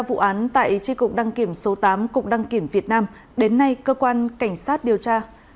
vụ án tại tri cục đăng kiểm số tám cục đăng kiểm việt nam đến nay cơ quan cảnh sát điều tra